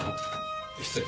失礼。